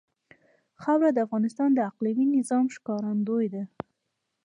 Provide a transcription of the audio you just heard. خاوره د افغانستان د اقلیمي نظام ښکارندوی ده.